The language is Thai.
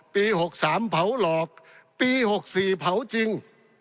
ปี๖๓เผาหลอกปี๖๔เผาจริง